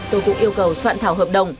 tôi cũng yêu cầu soạn thảm